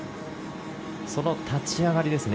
その立ち上がりですね。